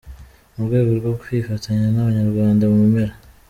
Mu rwego rwo kwifatanya n'abanyarwanda mu mpera